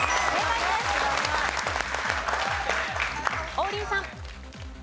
王林さん。